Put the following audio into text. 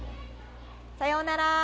さようなら！